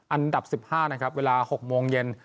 อันดับ๑๕นะครับเวลา๖โมงเย็น